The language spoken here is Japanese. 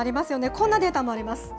こんなデータもあります。